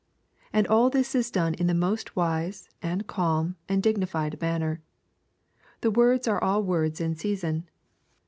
And all this is done in the most wise, and calm, and dignified manner. The words are all words in reason.